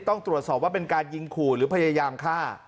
ต้องตรวจสอบว่าเป็นการยิงขู่หรือพยายามฆ่า